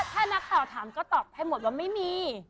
ถ้านักข่าวถามก็ตอบให้หมดว่าไม่มี